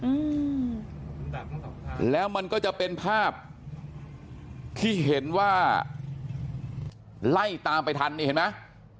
อืมแล้วมันก็จะเป็นภาพที่เห็นว่าไล่ตามไปทันนี่เห็นไหม